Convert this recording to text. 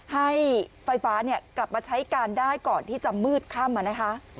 ให้ไฟฟ้ากลับมาใช้การได้ก่อนที่จะมืดค่ำนะคะ